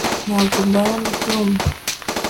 ntabwo mbana na tom